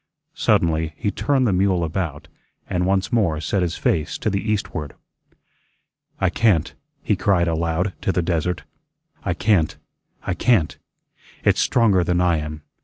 Suddenly he turned the mule about, and once more set his face to the eastward. "I can't," he cried aloud to the desert; "I can't, I can't. It's stronger than I am.